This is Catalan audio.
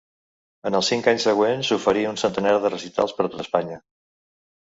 En els cinc anys següents oferí un centenar de recitals per tot Espanya.